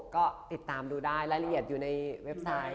ก็ติดตามดูได้รายละเอียดอยู่ในเว็บไซต์